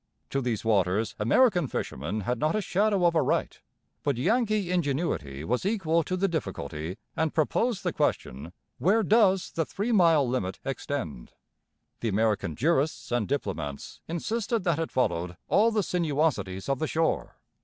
To these waters American fishermen had not a shadow of a right; but Yankee ingenuity was equal to the difficulty and proposed the question, Where does the three mile limit extend? The American jurists and diplomats insisted that it followed all the sinuosities of the shore.